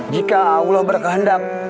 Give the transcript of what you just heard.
jika allah berkehendak